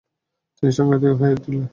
তিনি সংকিত হয়ে উঠলেন।